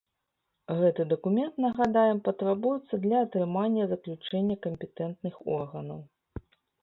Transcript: Гэты дакумент, нагадаем, патрабуецца для атрымання заключэння кампетэнтных органаў.